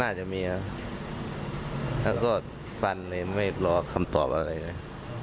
น่าจะมีครับแล้วก็ฟันเลยไม่รอคำตอบอะไรเลย